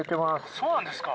そうなんですか。